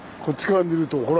こっちから見ると。